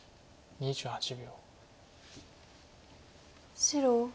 ２８秒。